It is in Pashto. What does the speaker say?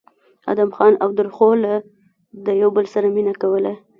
ادم خان او درخو له د بل سره مينه کوله